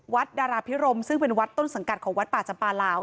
ดาราพิรมซึ่งเป็นวัดต้นสังกัดของวัดป่าจำปลาลาว